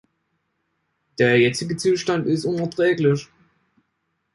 Der jetzige Zustand ist unerträglich!